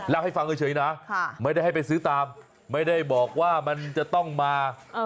แล้วให้ฟังเฉยนะไม่ได้ให้ไปซื้อตามไม่ได้บอกว่ามันจะต้องมา